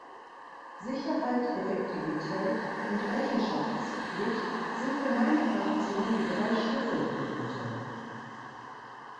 Sicherheit, Effektivität und Rechenschaftspflicht sind für meine Fraktion die drei Schlüsselpunkte.